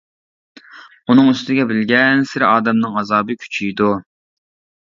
ئۇنىڭ ئۈستىگە بىلگەنسېرى ئادەمنىڭ ئازابى كۈچىيىدۇ.